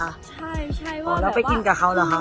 ใช่แล้วไปกินกับเขาหรือคะ